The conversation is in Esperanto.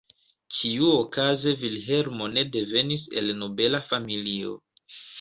Ĉiuokaze Vilhelmo ne devenis el nobela familio.